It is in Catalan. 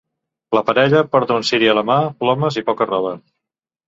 La parella porta un ciri a la mà, plomes i poca roba.